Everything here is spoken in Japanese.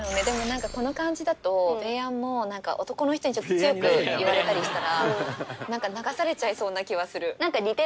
でも何かこの感じだとべーやんも何か男の人にちょっと強く言われたりしたら何か流されちゃいそうな気はする。